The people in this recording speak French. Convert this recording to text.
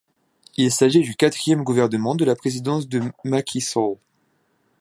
Il s'agit du quatrième gouvernement de la présidence de Macky Sall.